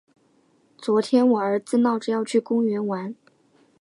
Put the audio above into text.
昨天我儿子闹着要去公园玩。